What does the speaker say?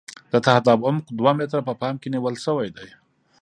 د تهداب عمق دوه متره په پام کې نیول شوی دی